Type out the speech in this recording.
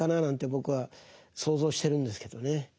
僕は想像してるんですけどね。